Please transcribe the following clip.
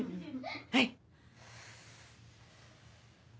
はい。